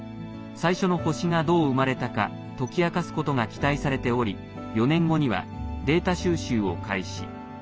最初の星がどう生まれたか解き明かすことが期待されており４年後にはデータ収集を開始。